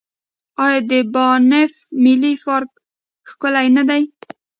آیا د بانف ملي پارک ښکلی نه دی؟